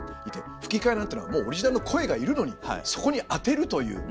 吹き替えなんていうのはもうオリジナルの声がいるのにそこに当てるという。